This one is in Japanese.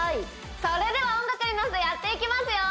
それでは音楽にのせてやっていきますよ